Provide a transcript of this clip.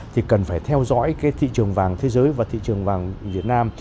thì cần phải theo dõi cái thị trường vàng thế giới và thị trường vàng việt nam